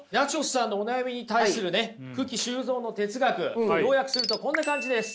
さんのお悩みに対するね九鬼周造の哲学要約するとこんな感じです。